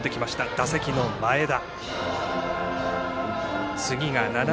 打席の前田。